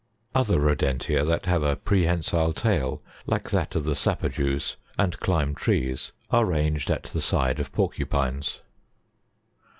Other Rodentia that have a prehensile tail like that of the Sapajous, and climb trees, are ranged at the side of Porcupines.